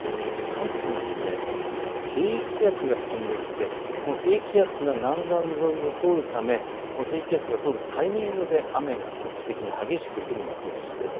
関東に低気圧が進んできて南岸沿いを通るため低気圧が通るタイミングで雨が局地的に激しく降りそうです。